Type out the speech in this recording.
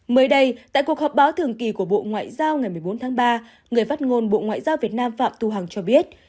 mới đây tại cuộc họp báo thường kỳ của bộ ngoại giao ngày một mươi bốn tháng ba người phát ngôn bộ ngoại giao việt nam phạm tu hằng cho biết